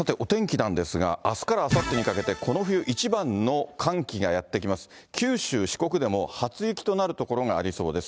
さて、お天気なんですが、あすからあさってにかけて、この冬一番の寒気がやって来ます。